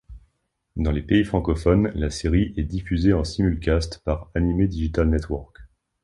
Dans les pays francophones, la série est diffusée en simulcast par Anime Digital Network.